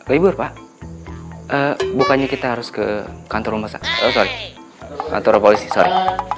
libur pak bukannya kita harus ke kantor masak atau kantor polisi